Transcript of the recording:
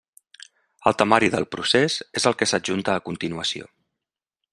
El temari del procés és el que s'adjunta a continuació.